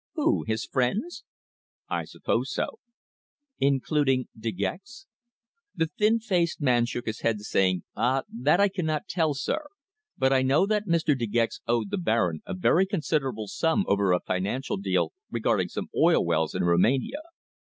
"Who? His friends?" "I suppose so." "Including De Gex?" The thin faced man shook his head, saying: "Ah! That I cannot tell, sir. But I know that Mr. De Gex owed the Baron a very considerable sum over a financial deal regarding some oil wells in Roumania.